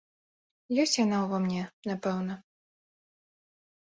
Ёсць яна ў ва мне, напэўна.